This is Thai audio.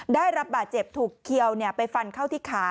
ได้รับบาดเจ็บถูกเขียวไปฟันเข้าที่ขา